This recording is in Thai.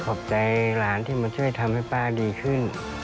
ขอบใจหลานที่มาช่วยทำให้ป้าดีขึ้น